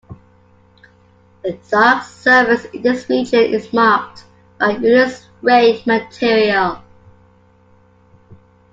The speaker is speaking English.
The dark surface in this region is marked by Euler's ray material.